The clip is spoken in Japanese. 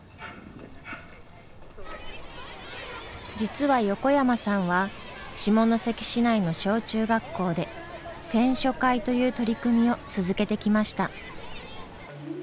実は横山さんは下関市内の小中学校で選書会という取り組みを続けてきました。